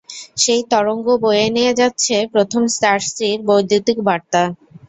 সেই তরঙ্গ বয়ে নিয়ে যাচ্ছে প্রথম চার্জটির বৈদ্যুতিক বার্তা।